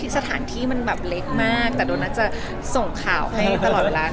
สถานที่มันแบบเล็กมากแต่โดนัทจะส่งข่าวให้ตลอดเวลา